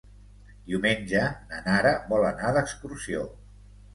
Diumenge na Nara vol anar d'excursió.